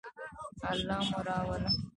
الله مو راوله